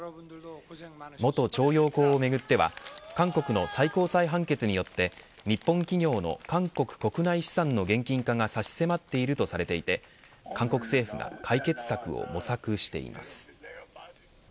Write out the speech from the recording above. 元徴用工をめぐっては韓国の最高裁判決によって日本企業の韓国国内資産の現金化が差し迫っているとされていて韓国政府が解決策を模索しています。